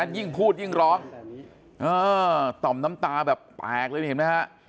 ยิ่งพูดยิ่งร้องต่อมน้ำตาแบบแตกเลยนี่เห็นไหมฮะ